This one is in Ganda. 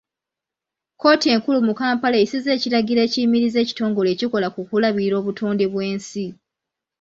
Kkooti enkulu mu Kampala eyisizza ekiragiro ekiyimirizza ekitongole ekikola ku kulabirira obutonde bw'ensi.